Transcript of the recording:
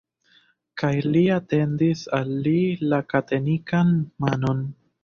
Kaj li etendis al li la katenitan manon.